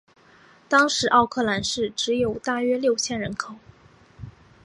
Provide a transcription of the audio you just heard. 当时奥克兰市只有大约六千人口。